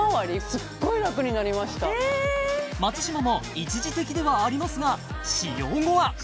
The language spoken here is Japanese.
すっごい楽になりました松嶋も一時的ではありますが使用後はあっでもでもえっ！？